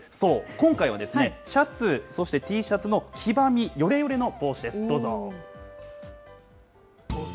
今回はシャツ、そしてＴシャツの黄ばみ、よれよれの防止です。